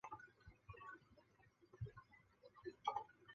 宋太宗七世孙。